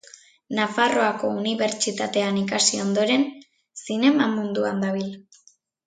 Nafarroako Unibertsitatean ikasi ondoren, zinema munduan dabil.